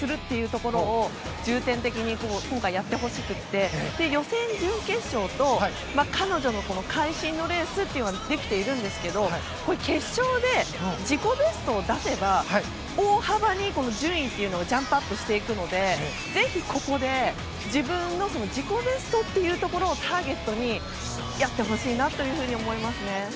ところを重点的に今回やってほしくて予選、準決勝と彼女の会心のレースというのはできているんですが決勝で自己ベストを出せば大幅に順位というのはジャンプアップしていくのでぜひ、ここで自分の自己ベストというところをターゲットにやってほしいなというふうに思いますね。